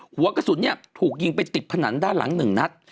หัวกระสุนเนี่ยถูกยิงไปติดผนังด้านหลัง๑นัด